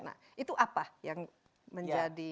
nah itu apa yang menjadi